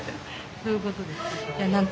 どういうことですか？